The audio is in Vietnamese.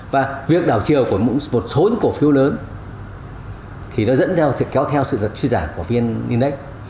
và việc đảo chiều của một số những cổ phiếu lớn thì nó dẫn theo kéo theo sự truy giảm của viên index